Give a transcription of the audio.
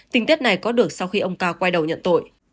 tính tiết này có được sau khi ông k quay đầu nhận tội